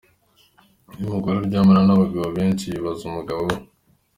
Iyo umugore aryamana n’abagabo benshi bibabaza umugabo we.